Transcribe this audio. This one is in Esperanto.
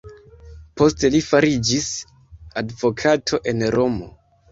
Poste li fariĝis advokato en Romo.